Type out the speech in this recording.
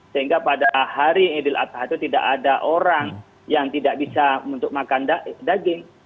sehingga pada hari idul adha itu tidak ada orang yang tidak bisa untuk makan daging